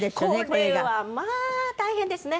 これはまあ大変ですね。